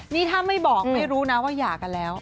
นี่ถ้าไม่บอกไม่รู้นะว่าหย่ากันแล้ว